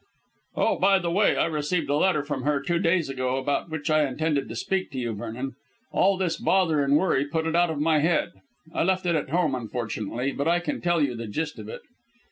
"Oh, by the way, I received a letter from her two days ago, about which I intended to speak to you, Vernon. All this bother and worry put it out of my head. I left it at home, unfortunately, but I can tell you the gist of it."